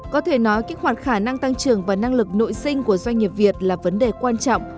có thể nói kích hoạt khả năng tăng trưởng và năng lực nội sinh của doanh nghiệp việt là vấn đề quan trọng